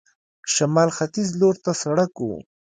شمال ختیځ لور ته سړک و.